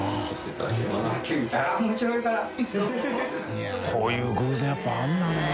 い筺舛叩こういう偶然やっぱりあるんだね辻）